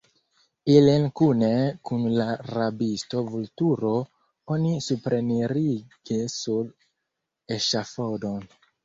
Ilin kune kun la rabisto Vulturo oni suprenirigis sur eŝafodon.